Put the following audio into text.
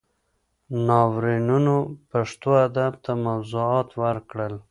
ناورینونو پښتو ادب ته موضوعات ورکړل.